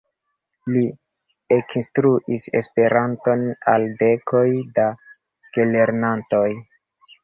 Li ekinstruis Esperanton al dekoj da gelernantoj.